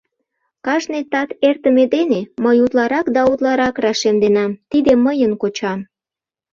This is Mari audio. Кажне тат эртыме дене мый утларак да утларак рашемденам: тиде мыйын кочам.